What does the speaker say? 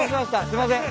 すいません。